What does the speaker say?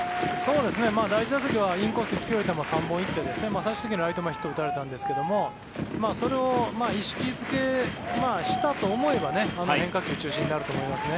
第１打席はインコースに強い球を３本行って最終的にはライト前にヒットを打たれたんですけどそれを意識付けしたと思えば変化球中心になると思いますね。